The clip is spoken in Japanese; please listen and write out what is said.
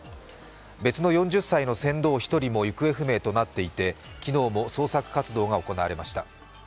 別の４０歳の船頭１人も行方不明となっていて、昨日も捜索活動が行われました。